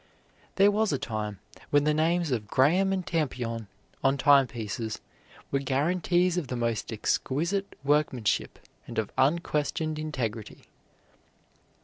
There was a time when the names of Graham and Tampion on timepieces were guarantees of the most exquisite workmanship and of unquestioned integrity.